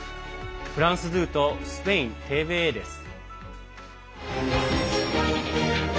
フランス２とスペインＴＶＥです。